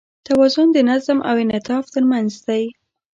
توازن د نظم او انعطاف تر منځ دی.